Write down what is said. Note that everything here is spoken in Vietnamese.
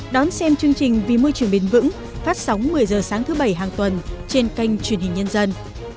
đón xem chương trình vì môi trường bền vững phát sóng một mươi h sáng thứ bảy hàng tuần trên kênh truyền hình nhân dân